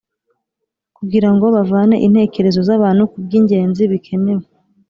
kugira ngo bavane intekerezo z’abantu ku by’ingenzi bikenewe